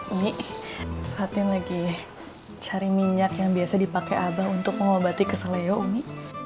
umi patin lagi cari minyak yang biasa dipakai abah untuk mengobati keselio umi